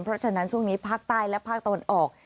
เพราะฉะนั้นช่วงนี้ภาคใต้และภาคตะวันออก